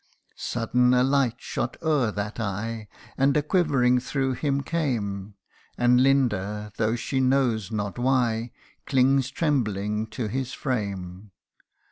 Sudden a light shot o'er that eye, And a quivering through him came ; And Linda, though she knows not why, Clings trembling to his frame.